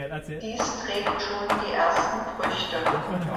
Dies trägt schon die ersten Früchte.